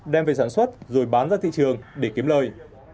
đem về sản xuất rồi bán ra thị trường để kiếm lời